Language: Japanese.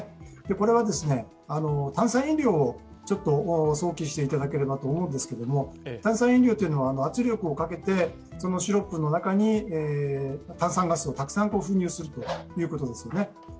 これは炭酸飲料をちょっと想起していただければと思うんですが、炭酸飲料というのは圧力をかけて、そのシロップの中に炭酸ガスをたくさん入れるということですね。